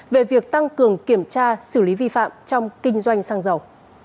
về việc tăng cường kiểm tra xử lý vi phạm trong kinh doanh sang giàu